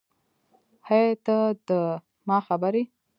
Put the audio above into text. هی ته ده ما خبر یی